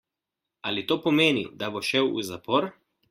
Ali to pomeni, da bo šel v zapor?